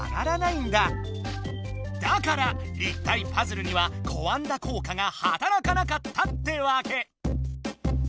だから立体パズルにはコアンダ効果が働かなかったってわけ！